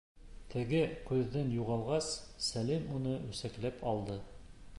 Теге күҙҙән юғалғас, Сәлим уны үсекләп алды.